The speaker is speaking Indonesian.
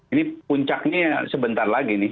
ini puncaknya sebentar lagi nih